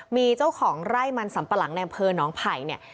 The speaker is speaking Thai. มีเจ้าของไร่มันสัมปะหลังในอำเภอน้องไผ่เนี่ย